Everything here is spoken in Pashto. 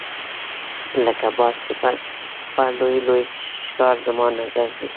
لکه باز په لوی لوی ښکار زما نظر دی.